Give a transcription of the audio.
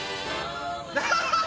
アハハハハ！